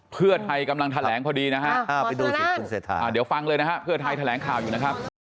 เพื่อไทยกำลังแถลงพอดีนะครับเดี๋ยวฟังเลยนะครับเพื่อไทยแถลงข่าวอยู่นะครับ